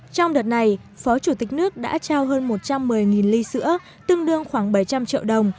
trong đợt này phó chủ tịch nước đã trao hơn một trăm một mươi ly sữa tương đương khoảng bảy trăm linh triệu đồng